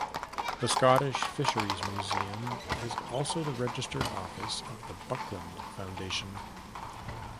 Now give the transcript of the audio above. The Scottish Fisheries Museum is also the registered office of the Buckland Foundation.